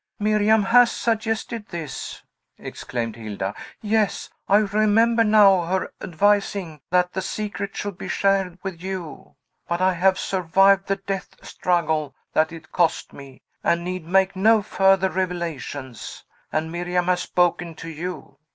"Miriam has suggested this!" exclaimed Hilda. "Yes, I remember, now, her advising that the secret should be shared with you. But I have survived the death struggle that it cost me, and need make no further revelations. And Miriam has spoken to you!